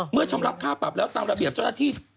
ชำรับค่าปรับแล้วตามระเบียบเจ้าหน้าที่